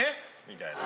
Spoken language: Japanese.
みたいな。